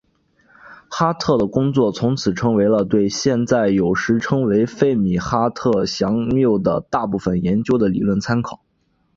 哈特的工作从此成为了对现在有时称为费米哈特佯谬的大部分研究的理论参考。